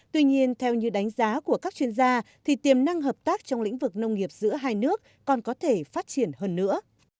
tuy nhiên theo như đánh giá của các chuyên gia thì tiềm năng hợp tác trong lĩnh vực nông nghiệp giữa hai nước còn có thể phát triển hơn nữa